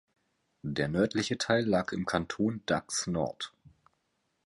Der nördliche Teil lag im Kanton Dax-Nord.